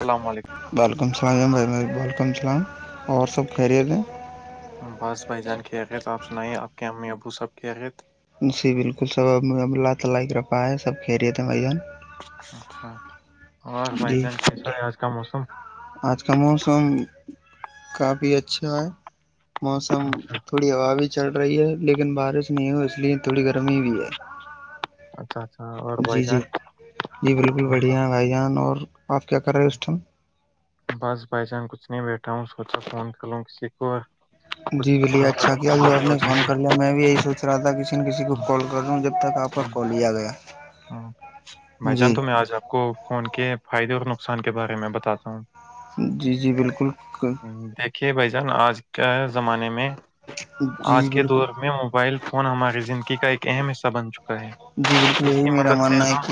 السلام علیکم وعلیکم السلام بھم وعلیکم السلام اور سب خیریت ہیں باس بھائی جان کے آقت آپ سنائیے آپ کے امی ابو صاحب کے آخت جی بالکل سب اب اب اللہ تعالی اک رفا ہے سب کہ رہے تھے بھائی جان اچھا اور بھائی جی جان کیس ہو آج کا موسم آج کا موسم کافی اچھا ہے موسم اچھا تھوڑی عباابش چڑ رہی ہے لیکن بارش نہیں ہو اس لیے تھوڑی گرمی بھی ہے اچھاچ جی جی جی بالکل بڑھیا ہے بھائی جان اور آپ کیا کر رہے اس ٹائم بس بائی چانس کچھ نہیں بیٹھا ہوں سوچا فون کر لوں کسی کو اور جی کچھ دو بھیا چار اچھا کیا اچھی ج آپ باتیں ہو نے فون جائیں۔ کر لیا میں بھی یہی سوچ رہا تھا کسی نہ کسی کو ہوں، کال کر رہ ل ہوں جب تک آپ کا کال لیا گیا ہ بھائی جان جی تو میں آج آپ کو فون کے فائدے اور نقصان کے بارے میں بتاتا ہوں جی جی بالکل دیکھیے بھ جان آج کے زمانے میں جی آج کے بالکل دور میں موبائل فون ہماراری زندگی کا ایک اہم حصہ بن چکا ہے جی بالکل اس یہ مدد سے ہم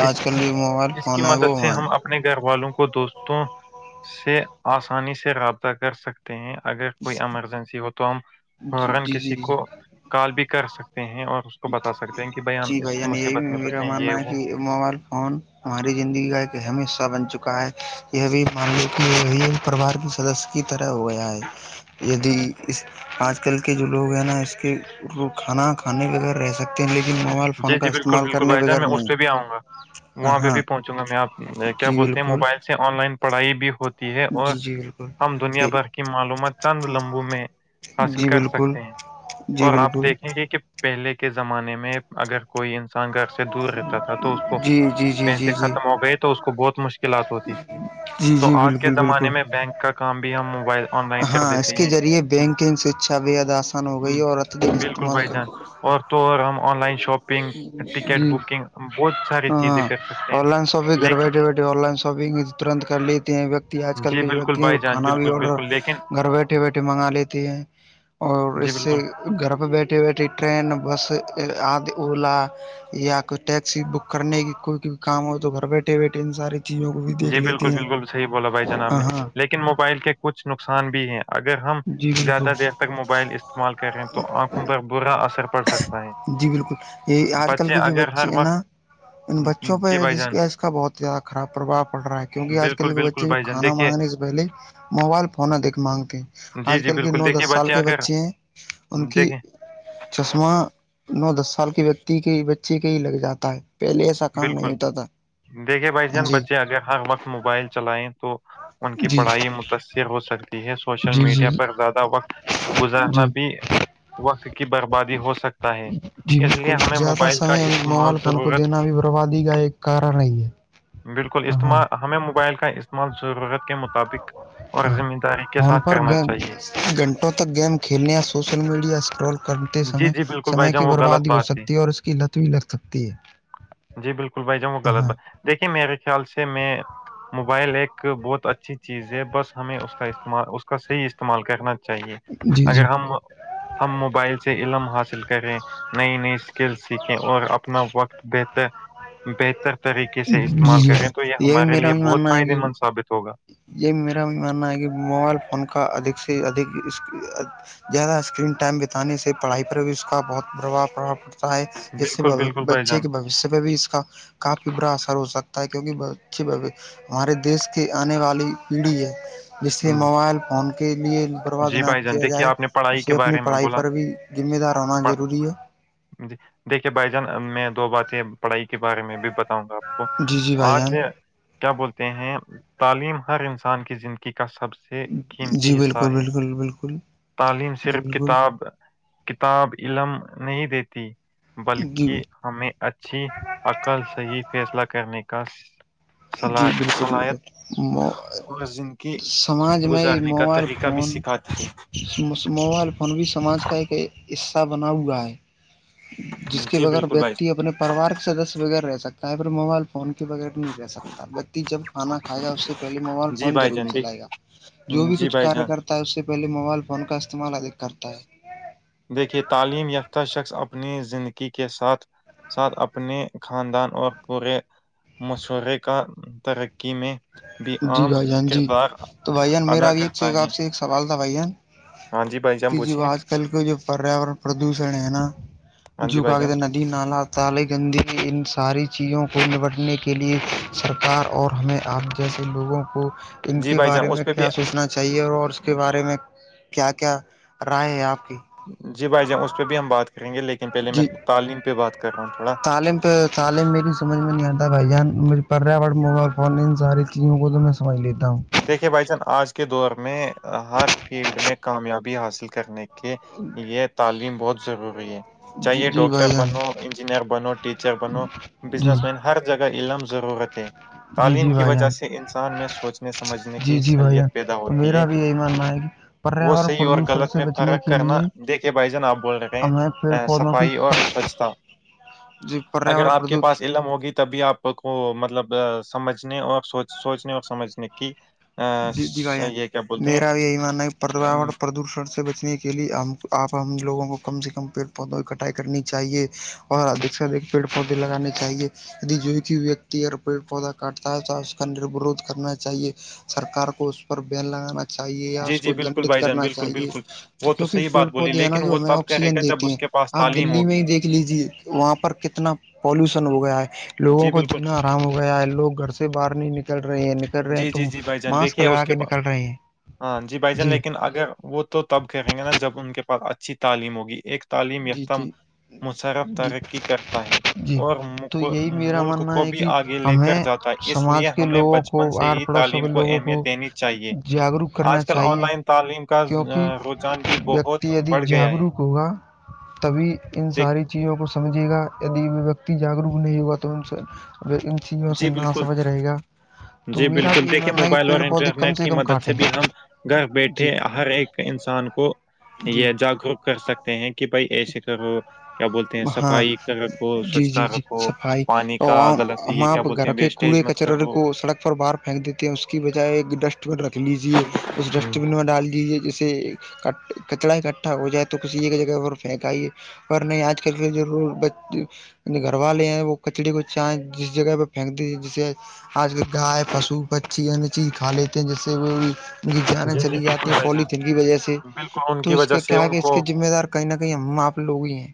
آج کل جو موبائل اس کی فون ہے مدد سے وہ ہم اپنے اپنے گھر والوں کو دوستوں سے آسانی سے رابطہ کر سکتے ہیں اگر کوئی ایمرجنسی ہو تو ہم جی ن جی جی کسی جی کو کال بھی کر سکتے ہیں اور اس کو بتا سکتے ہیں کہ بان یعنی یہی میرا ماننا ہے کہ موبائل فون ہماری زندگی کا ایک ہمیشہ بن چکا ہے یہ بھی مان ل کہ یہ پرریوار کے سدس کی طرح ہو گیا ہے یدی اس آج کل کے جو لوگ ہیں نا اس کے کھانا کھانے کے بغیر رہ سکتے ہیں لیکن موبائل جی فون کا جی بالکل استعمال بالکل کرنے بھائی جان بغیر میں اس نہیں پہ بھی آؤں گا وہاں پہ ہاں بھی پہنچوں گا میں آپ کیا جی بولتے ہیں بالکل موبائل سے آن لائن پڑھائی بھی ہو ہے اور جی جی بالکل ہم دنیا بھر کی معلومات چند لمبو میں حاصل جی کر بالکل سکتے ہیں جی اور آپ بالکل دیکھیں گے کہ پہلے کے زمانے میں اگر کوئی گھر سے دور رہتا تھا تو اس کو جی جی جی جی پیسے جی ختم ہو گئے تو اس کو بہت مشکل لات ہوتی تھی جی تو جی آج کے بالکل بالکل زمانے میں بینک کا کام بھی ہم موبائل آن لائن کر ہاں اس دیتے کے ہیں ذریعے بینکنگ شکھا بھی اد آسان ہو گئی م- ہے اور اتدک بالکل استعمال بھائی کر جان اور تو ہم آن لائن شاپنگ ہ ٹکٹ بکنگ بہت ساری چیزیں ہاں کر سکتے ہیں آن لائن شاپنگ گھر بیٹے لیکن بیٹے آن لائن شاپگ ترنت کر لیتے ہیں ویکتی آج کل جی کے جو بالکل ویکتی ہیں بھائی وہ جان کھانا بھی بالکل آڈر بالکل لیکن گھر بیٹھے بیٹھے منگا لیتے ہیں اور جی اس بالکل سے گھر پہ بیٹھی بیٹھھی ٹرین بس آد اولا یا کوئی ٹیکسی بک کرنے کی کوئی بھی کام ہو تو گھر بیٹھے بیٹھے ان ساری چیزوں کو بھی دیکھ جی بالکل لیتے ہیں بالکل صحیح بولا بھائی جناب ہاں نے ہاں لیکن موبائل کے کچھ نقصان بھی ہیں اگر ہم جی زیادہ دیر بالکل تک موبائل استعمال کر رہے تو آنکھوں پر برا اثر پڑ سکتا ہے جی بالکل یہ آج کل بچے کے جو اگر بچے ہر ہے نا ان وقت بچوں پہ جی بھائی جان اس کا بہت زیادہ خراب پربھا پڑ رہا ہے کیون کہ آج کل بالکل کے بالکل بچے ج بھائی جان کانا دیکھیے مانگ رہنے اس سے پہے موبائل فنا دیکھ مانگتے جی آج جی کل کے بالکل نو دس دیکھیے سال کے اگر بچے ہیں ان کی دیکھیں چشمہ نو دس سال کے ویکتی کے بچے کے ہی لگ جاتا ہے پہلے کام نہیں بالکل ہوتا تھا دیکھے بھائی جان جی بچے اگر ہر وقت موبائل چلائیں تو ان کی جی پڑھائی متاثر ہو سکتی سوشل جی جی میڈیا پر زیادہ وقت گزارنا جی بھی وقت کی بربادی ہو سکتا ہے جی اس لیے بالکل ہمیں موبائل کا استعمال ضرورت پروادی کا ایک کارن ہی ہے بالکل ہاں استعمال ہمیں موبائل کا استعمال ضرورت کے مطابق اور ہاں ذمہ داری کے فون ساتھ پر کرنا گیم چاہیے گھنٹوں تک گیم کھیلنے یا سوشل میڈیا اسٹال کرتے جی سمے جی بالکل بھائی سمے جان کی وہ غلط بربادی ہو بات سکتی ہے اور اس کی لت بھی لگ سکتی ہے جی بالکل بھائی جانؤ وہ غلط ہاں بات دیکھیے میرے خیال سے میں موبائل ایک بہت اچھی چیز ہے بس ہمیں اس کا استعمال اس کا صحیح استعمال کرنا چاہیے جی اگر جی ہم ہم موبائل سے علم حاصل کریں نئی نئی اسکل سیکھیں اور اپنا وقت بت بہتر طریقے سے جی استعمال جی کریں تو یہ یہی ہمارے میرا لیے بھی بہت ماننا ہے فائدے کہ مند ثابت ہوگا یہ میرا ماننا ہے کہ موبائل فون کا ادھک سے اک اس زیادہ اسکرین ٹائم بتانے سے پڑھائی پر بھی اس کا بہت پربھاتا ہے اس سے بالکل بالکل بھائی بچے کے ب جان پہ بھی اس کا کافی برا اثر ہو سکتا ہے کیکہ ہمارے دیش کے والی پیڑھی ہے جسے موبائل فون کے لیے برباد جی نہ بھائی جان کیا دیکھیے جائے آپ نے پڑھائی کے اسے اپنی بارے میں پڑھائی بولا پر بھی ذمے دار آنا پڑھ- ضروری ہے جی دیکھیے بھائی جان میں دو باتیں پڑھائی کے بارے میں بھی بتا ہ گا آپ کو جی جی بھائی آج جان کیا بولتے ہیں تعلیم ہر انسان کی زندگی کا سب سے جی قیمتی حصہ بالکل ہے بالکل بالکل تعلیم جی صرف بالکل کتاب کتاب علم نہیں دیتی جی بلکہ ہمیں اچھی عقل صحی فیصلہ کرنے کا صلا- جی بالکل صلاحیت بالکل اور زندگی تو سماج میں یہ گزارنے کا موبائل طریقہ بھی فون سکھاتی موبائل فون بھی سماج کا ایک حصہ بنا ہوا ہے ہے جس کے جی بغیر بالکل بھائی وتی اپنے پریوار کے سدس بغیر رہ سکتا ہے پھر موبائل فون کے بغیر نہیں رہ بتی جب کھانا کھائے گا اس سے پہلے موبائل جی فون بھائی ضور جان دیکھ- چلائے گا جو بھی جی کچھ بھائی ک جان کرتا اس سے پہلے موبائل فون کا استعمالدھک کرتا ہے دیکھیے تعلیم یافتہ شخص اپنی زندگی کے ساتھ ساتھ اپنے خاندان اور پورے مشورے کا ترقی میں بھی جی عام بھائی جان جی کردار تو بھائی جان ادا میرا بھی ایک کرتا سے ہے آپ سے ایک سوال تھا بھائی جان ہاں جی بھائی جان کہ جو پوچھیے آج کل کا جو پریاورن پردوشن ہے نا ہاں جی بھائی جان ی نالا تالے گندگی ان ساری چیزوں کو نمٹنے کے لیے سرکار اور ہمیں آگ جسے لوگوں کو ان جی کے بھائی بارے جان اس میں پہ بھی کیا سوچنا چاہے چاہیے اور اور اس کے بارے میں کیا کیا رائے ہے آپ کی جی بھائی جان اس پہ بھی ہم بات کریں گے لیکن پہلے میں جی تعلیم پہ بات کر رہا ہوں تھوڑا تعلیم پہ تعلیم میری سمجھ میں نہیں آتا بھائی جان مجھے پریا پرٹ مبائل فون ان ساری چیزوں کو تو میں سمجھ لیتا ہوں [unintelligible] دیکھیے بھائی جان آج کے دور میں ہر فیلڈ میں کامیابی حاصل کرنے کی کے لیے تعلیم بہت ضروری ہے جی چاہے جی ڈاکٹر بھائی جان بنو انجینئر بنو ٹیچر بنو جی بزنس مین ہر جگہ علم ضرورتیں جی تعلیم جی کی بھائی وجہ جان سے انسان میں سوچ سمجھنے جی کی جی بھائی جان سہلیت پیدا تو ہوتی میرا ہے بھی یہی ماننا ہے کہ وہ پریاورن صحیح اور پردوشن غلط سے میں بچنے فرق کے کرنا لیے دیکھیے بھائی جان آپ بول رہے ہمیں پیڑ ہیں پودوں صفائی کی اور سوچھتا جی اگر پریاورن آپ کے پردوش پاس علم ہوگی تو تبھی آپ کو مطلب سمجھنے اورو سوچنے اور سمجھنے کی آ، جی ج گ س- یہ کیا بولتے ہیں میرا یہی ماننا ہے پریا پردوشن سے بچنے کی [unintelligible] کے لیے ہم آپ ہم لوگوں کو کم سے کم پیڑ پودوں کٹائی کرنی چاہیے اور ادھ سے ادھک پیڑ پودے لگانے چاہیے [unintelligible] جو کو وتی اگر پیڑ پودا کاٹتا ہے تو اس کا نوورھ کرنا چاہیے [unintelligible] سرار کو اس پر بیین لگانا [unintelligible] چاہیے یا جی اس جی کو بالکل دنڈت بھائی جان کرنا بالکل چاہیے بالکل تو وہ کیونکہ صحیح پیڑ بات بولی پودے ہیں نا لیکن جو وہ ہمیں تب کہے گا آکسیجن جب دیتے اس ہیں کے پاس آپ تعلیم ہے دلی میں دیکھ لیجے وہاں پر کتنا پالوشن ہو گیا ہے لوگوں جی کو بالکل جینا آرام ہو گیا ہے لوگ گھر سے باہر نہیں نکل رہے ہیں نکل رہے ہیں جی جی جی ت بھائی [unintelligible] دیکھیے اس کے پاس ہاں جی بھائی جان لیکن اگر وہ تو تو تب کہیں گے نا جب ان کے پاس اچھی تعلیم ہوگی ایک تعلیم جی یافتہ جی مسرف جی ترقی کرتا ہے جی اور تو یہی میرا ملک ماننا کو ہے بھی کہ آگے لے کر ہمیں جاتا اس لیے سماج کے ہمیں لوگوں بچپن کو سے آر ہی پڑوسوں تعلیم کے کو لوگوں اہمیت دینی تھی چاہیے جاگروک کرنا آج کل آن چاہیے لائن تعلیم کا کیونکہ رجان بھی بہت بڑھ گیا ہے کوا [unintelligible] تبھی ان دیک ساری چیزوں کو سمجھے گا ید ویکتی جاگروک نہیں ہوگا تو ان ا ان چیزوں سے جی نہ بالکل سمجھ رہے گا تو جی میرا بالکل بھی یہ دیکھیے ماننا ہے کہ موبائل اور پیڑ پودے کم انٹرنیٹ کی کم مدد سے کاٹیں بھی ہم گھر جی بیٹھے ہر ایک انسان کو جی یہ جاگروک کر سکتے ہیں کہ بھائی ایسے کرو کیا بولتے ہیں ہاں صفائی رکھو جی جی سوچھتا جی رکھو صفائی پانی کا اور غلط تو ہم یہ کیا آپ بولتے گھر ہیں کے وسٹیج کوڑے مت کچرے کرو کو سڑک پر باہر پھینک دیتے ہیں اس کی بجائے ایک ڈسٹ ڈسٹ رکھ لیجے اس ہوں، ڈسٹ بین میں ڈال دیجے جیسے ک کچرا اکٹھا ہو جائے تو کسی ایک جگہ پر [unintelligible] پھینکائیے اور نہیں آج کل کے ب گھر والے ہیں وہ کچڑی کو چاہ جس جگہ پہ پھینک دی جسے آج کل گائے پشو پکچھی اننی چیز کھا لیتے ہیں جیسے وہ بھی [unintelligible] یہ جانے جی جی چلی بالکل جاتی ہیں بھائی جان پولیتن کی وجہ سے بالکل ان تو کی اس وجہ کے سے کیا کہ ان اس کے کو ذمہ دار کہ نہ ہم آپ لوگ ہی ہیں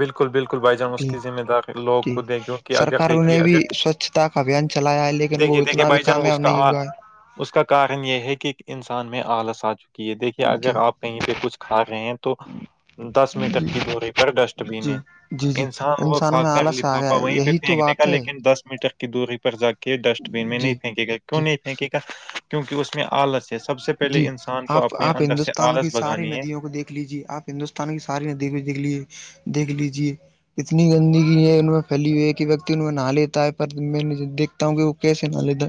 بالکل بالکل بھائی جان اس کی ذمہ داری لوگوں جی کو دیں کیونکہ اگر سرکاروں دیکھیے نے اگر بھی سوچھتا کا ابھیان چلایا ہے لیکن وہ دیکھیے دیکھیے اتنا بھی بھائی جان اس کامیاب کا نہیں آ- ہوا ہے اس کا کارن یہ ہے کہ انسان میں آلس آ چکا کہ یہ دیکھیے جی اگر آپ کہیں پہ کچھ کھا رہے ہیں تو دس میٹر کی دوری پر ڈسٹ بین جی ہے جی جی انسان کو کھا میں کر آلس آ لپافا گیا ہے وہیں پہ یہی تو پھینک بات د ہے لیکن دس میٹر دوری پر جا کے ڈسٹ بین میں نہیں جی پھینکے گا کیوں جی نہیں پھینکے گا کیونک اس میں آل سے جی پہلے انسان کو آپ اپنے آپ اندر سے ہندوستان آلس کی ساری بھگانی ہے ندیوں کو دیکھ لیجے آپ ہندوستان کی ساری ندی دیکھ لی دیکھ لیجیے اتنی گندگی ہے ان میں پھیلی ہوئی ہے کہ وتی ان میں نہا لیتا ہے پر میں نے دیکھ ہ کہ وہ کیسے نالد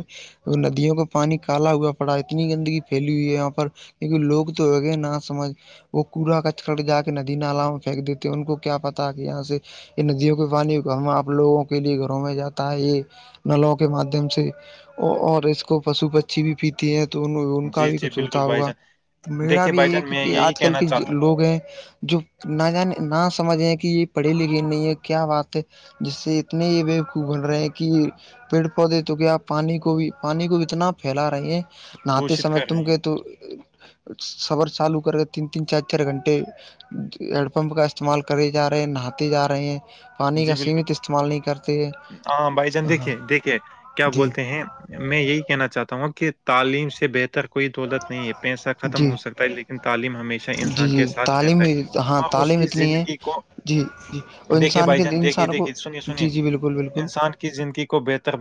ندیوں کا پانی کالا ہوا پڑا اتنی گندگی پھیلی ہوئی ہے یہاں پر کیکہ لوگ تو ہےگے نہ سمجھ [unintelligible] وہ کوڑا ک چھک کے جا کے ندی نال میں پھینک دیتے ان کو کیا پتا کہ یہاں سے یہ ندیوں کے پانی ہمپ لوگوں کے لیے گھروں میں جاتا ہے یہ نلوں کے مادھیم سے اور اس کو پشو پچھی بھی پیتی ہیں تو ان [unintelligible] کا جی بھی جی کچھ بالکل ہوتا بھائی ہوگا جان تو میرا دیکھیے بھی بھائی یہی ہے جان کہ میں کہ یہی آج کل کہنا کے چاہتا لوگ ہیں جو نہ جان نہ سمجھیں کہ یہ پڑھی لکھی نہیں ہے کیا بات ہے جس سے اتنے یہ و کو بول رہے ہیں کہ پیڑ پودے تو کیا آپ پانی کو بھی پانی کو اتنا پھیلا رہے ہیں نہاتے دشت سمے کر رہے تم ہیں کے تو سبر چالو کر کے تین تین چار چار گھنٹے ہیڈ پمپ کا استعمال کرے جا رہے ہیں نہاتے جا رہے ہیں پانی کا جی بالکل سیمت استعمال نہیں کرتے ہیں ہاں بھائی جان ہاں دیکھیے دیکھیے کیا جی بولتے ہیں میں یہی کہنا چاہتا ہوں کہ تعلیم سے بہتر کوئی دولت نہیں ہے پیسہ ختم جی ہو سکتا ہے لیکن تعلیم ہمیشہ جی انسان کے جی ساتھ تعلیم رہتا ہے ہاں اور اس تعلیم کی اتنی ہے زندگی کو جی جی اور دیکھیں انسان بھائی کے جان دیکھیں انسان کو دیکھیں سنیے سنیے جی جی بالکل بالکل انسان زندگی کو بہتر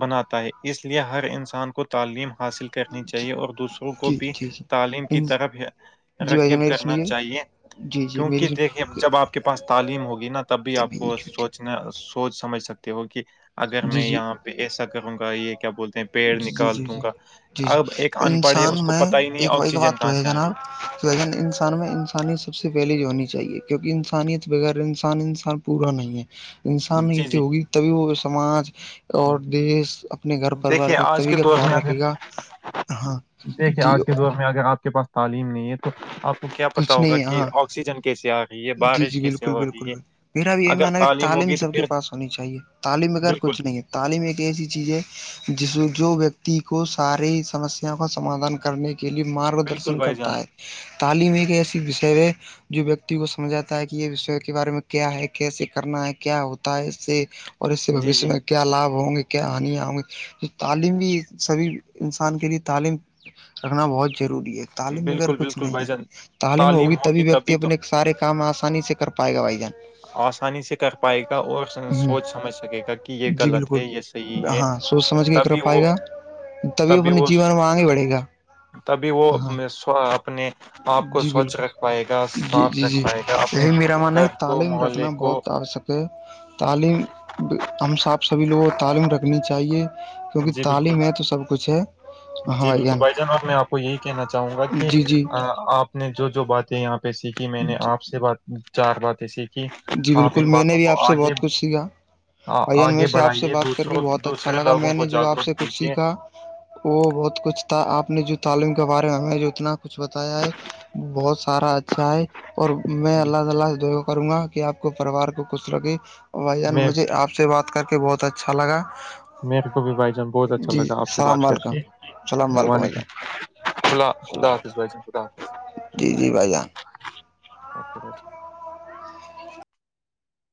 بناتا ہے اس لیے ہر انسان کو تعلیم حاصل کر کرنی چاہیے اور دوسروں کو جی بھی جی تعلیم کی جی طرف جی بھائی جان رکب میری کرنا سنیے چاہیے جی جی میری کیونکہ جی دیکھیے جب آپ کے پاس تعلیم ہوگی نا تب بھی جی آپ جی کو سوچنا سوچ سمجھ سکتے ہو کہ اگر میں یہاں پہ ایسا کروں گا یہ کیا بولتے ہیں پیڑ جی نکال جی جی دوں گا جی اب ایک ان پڑھ ہے انسان اس کو میں پتا ہی نہیں آکسیجن کہاں سے آ رہی وجن انسان میں انسانیت سب سے پہلے جو ہونی چاہیے کیونکہ انسانیت بغیر انسان انسان پورا نہیں ہے انسان جی نتی جی ہوگی تبھی وہ سماج اور ہاں دیش اپنے گھر پریوار دیکھیے کا آج تبھی کے کا دور خیال میں اگر رکھے گا ہاں دیکھے جی آج کے دور میں میں اگر آپ کے پاس تعلیم نہیں ہے تو آپ کو کیا پتا کچھ ہوگا نہیں کہ ہاں آکسیجن کیسے آئے گ جی جی بالکل بالکلل مھر اب اگر یہ تعلیم ہوگی تو سب کے پھر پاس ہونی چاہیے تعلیم بغیر بالکل کچھ نہیں ہے تعلیم ایک ایسی چیز ہے جس جو ویکتی کو ساری سمسیا کا سمادھان کرنے کے لیئے بالکل مارگدرشن بھائی جان کرتا ہے تعلیم ایک ایسی وشے ہے جو ویکتی کو سمجھاتا ہے کہ یہ وش کے بارے میں کیا ہے کیسے کرنا ہے کیا ہوتا ہے اس سے جی جی [unintelligible] کیا لابھ ہوں گے کیا ہانیاں ہوں گی تو تعلیم بھی سبھی انسان کے لیے تعلیم رکھنا بہت ضروری ہے تعلیم میں اگر بالکل کچھ بالکل نہیں بھائی ہے جان تعلیم میں ہوگی تبھی ویکتی اپنے سارے کام آسانی سے کر پائے گا بھائی جان آسانی سے کر پائے گا اور سوچ ہ سمجھ سکے گا کہ یہ جی غلط بالکل ہے یہ صحیح ہے ہاں سوچ سمجھ کے کر تبھی پائے وہ گا تبھی اپنے وہ جیون میں آگے بڑھے گا تبھی وہ ہاں اپنے آپ کو جی سوچھ بالکل رکھ پائے گا جی صاف جی رکھ جی پائے گا اپنے یہی میرا ماننا گھر ہے کو تعلیم محلے رکھنا کو بہت آوشک ہے تعلیم بھی ہم ص آپ سبھی لوگوں تعلیم رکھنی چاہیے کیونکہ جی بالکل تعلیم ہے تو سب کچھ ہے ہاں جی بالکل جان بھائی جانب میں آپ کو یہی کہنا چاہوں گا کہ جی جی آپ نے جو جو باتیں یہاں سیکھی میں نے آپ سے بات چار باتیں سیکھ جی بالکل میں نے بھی آپ سے بہت کچھ سیکھا آ- بھائی جان آگے مجھے آپ سے بڑھائیے بات کر کے دوسروں بہت اچھا دوسرے لگا لوگوں میں کو نے جو آپ جاگروک سے کچھ کیجیے سیکھا وہ بہت کچھ تھا آپ نے جو تعلیم کے بارے میں ہمیں جو اتنا کچھ بتایا ہے بہت سارا اچھا ہے اور میں جی، اللہ تعالی سے دعا کروں گا کہ آپ کو پرریوار کو خچھ رکھے بھائی جان میں مجھے آپ سے بات کر کے بہت اچھا لگا میرے کو بھی بھائی جان بہت اچھا جی لگا آپ سے بات السلام کر علیکم السلام علیکم بھائی کےعلیکم جان خد خدا حافظ السلام بھائی خدا حافظ جی جی بھائی جان بھائی